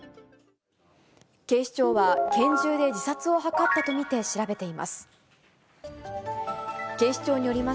警視庁は、拳銃で自殺を図ったと見て調べています。